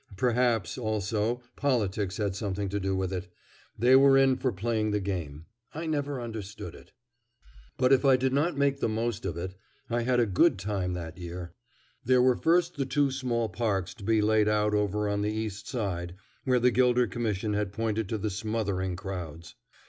Perhaps, also, politics had something to do with it. They were in for playing the game. I never understood it. But if I did not make the most of it, I had a good time that year. There were first the two small parks to be laid out over on the East Side, where the Gilder Commission had pointed to the smothering crowds.